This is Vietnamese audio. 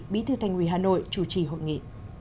bí thư thành ủy hà nội chủ trì hội nghị